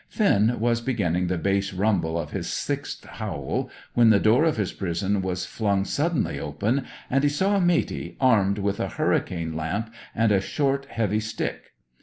Finn was beginning the bass rumble of his sixth howl when the door of his prison was flung suddenly open, and he saw Matey, armed with a hurricane lamp and a short, heavy stick.